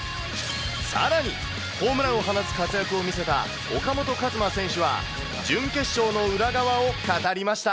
さらに、ホームランを放つ活躍を見せた岡本和真選手は、準決勝の裏側を語りました。